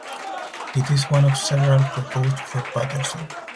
It is one of several proposed for Paterson.